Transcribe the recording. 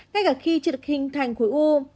ngay cả khi trịt hình thành khối u